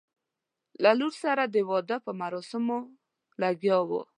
له لور سره د واده په مراسمو لګیا وو.